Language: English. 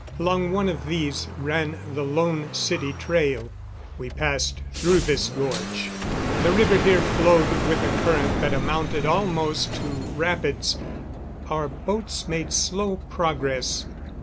Along one of these ran the Lone City trail. We passed through this gorge. The river here flowed with a current that amounted almost to rapids. Our boats made slow progress.